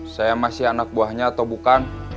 saya masih anak buahnya atau bukan